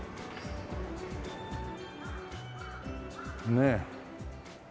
ねえ。